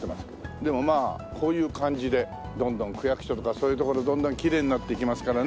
でもまあこういう感じで区役所とかそういう所どんどんきれいになっていきますからね。